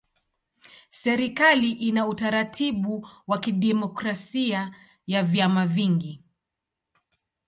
Serikali ina utaratibu wa kidemokrasia ya vyama vingi.